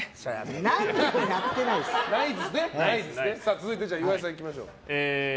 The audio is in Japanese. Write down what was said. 続いて、岩井さんいきましょう。